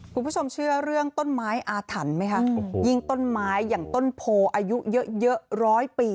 คุณผู้ชมเชื่อเรื่องต้นไม้อาถรรพ์ไหมคะยิ่งต้นไม้อย่างต้นโพอายุเยอะเยอะร้อยปี